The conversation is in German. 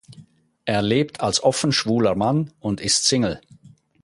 Er lebt als offen schwuler Mann und ist Single.